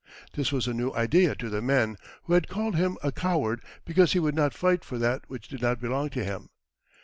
This was a new idea to the men, who had called him a coward because he would not fight for that which did not belong to him.